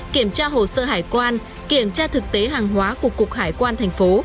kiểm tra hồ sơ hải quan kiểm tra thực tế hàng hóa của cục hải quan thành phố